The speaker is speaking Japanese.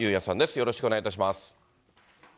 よろしくお願いします。